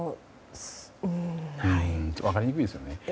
分かりにくいですよね。